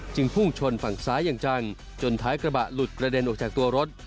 พุ่งชนฝั่งซ้ายอย่างจังจนท้ายกระบะหลุดกระเด็นออกจากตัวรถ